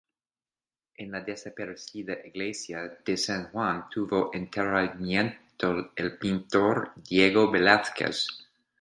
En la desaparecida iglesia de San Juan tuvo enterramiento el pintor Diego Velázquez.